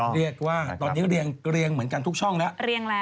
เรียกว่าตอนนี้เรียงเหมือนกันทุกช่องแล้ว